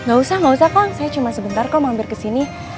oh enggak usah kang saya cuma sebentar kang mau ambil ke sini